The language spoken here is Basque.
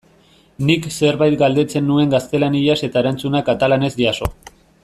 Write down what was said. Nik zerbait galdetzen nuen gaztelaniaz eta erantzuna katalanez jaso.